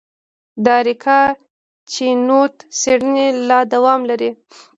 د اریکا چینوت څېړنې لا دوام لري.